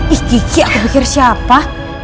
ih kihi aku pikir siapa